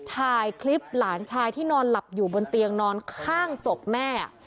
ถ่ายคลิปหลานชายที่นอนหลับอยู่บนเตียงนอนข้างศพแม่